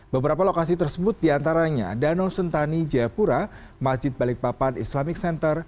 beberapa lokasi tersebut diantaranya danau sentani jayapura masjid balikpapan islamic center